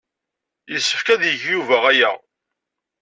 Yessefk ad yeg Yuba aya.